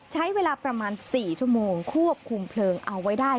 ใช้เวลาประมาณ๔ชั่วโมงควบคุมเพลิงเอาไว้ได้